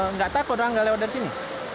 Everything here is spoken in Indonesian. enggak takut orang enggak lewat dari sini